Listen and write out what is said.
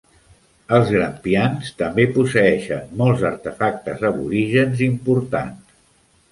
Els Grampians també posseeixen molts artefactes aborígens importants.